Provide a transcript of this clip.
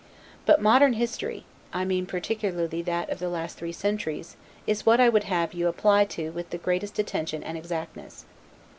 But modern history, I mean particularly that of the last three centuries, is what I would have you apply to with the greatest attention and exactness.